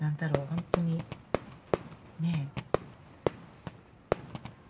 ほんとにねえね